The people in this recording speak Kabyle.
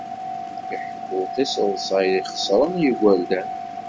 Iḥekku tiseḍsa ixeṣren i yigerdan.